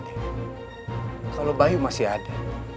kalau bayu masih ada